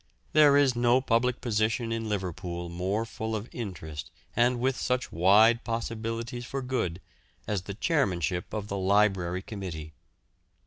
There is no public position in Liverpool more full of interest and with such wide possibilities for good as the chairmanship of the Library Committee.